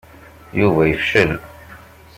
Yuba yefcel.